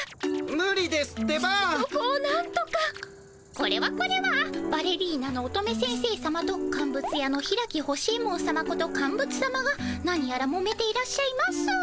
これはこれはバレリーナの乙女先生さまと乾物屋の開干ゑ門さまことカンブツさまがなにやらもめていらっしゃいます。